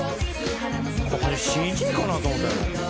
「ＣＧかなと思ったよな」